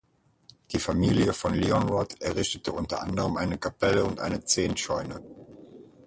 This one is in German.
Die Familie von Leonrod errichtete unter anderem eine Kapelle und eine Zehntscheune.